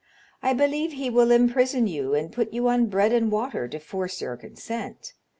I believe he will imprison you and put you on bread and water to force your consent.